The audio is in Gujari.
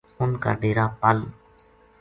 اُنھ کا ڈیرا پَل